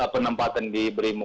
penempatan di brimu